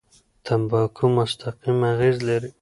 تمباکو مستقیم اغېز لري.